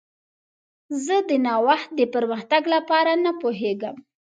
زه د نوښت د پرمختګ لپاره نه پوهیږم.